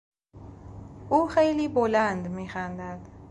او خیلی بلند میخندد.